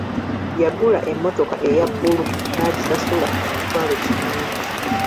Yagula emmotoka eya bbulu n'agisasula emitwalo kinaana.